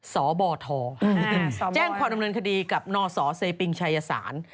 สบธแจ้งพอดำเนินคดีกับนศเซปิงชายสาร